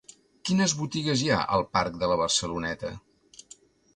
Quines botigues hi ha al parc de la Barceloneta?